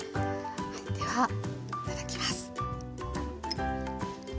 はいではいただきます。